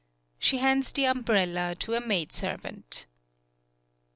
She hands the umbrella to a maidservant.